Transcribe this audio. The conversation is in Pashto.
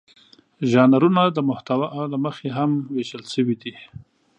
ژانرونه د محتوا له مخې هم وېشل شوي دي.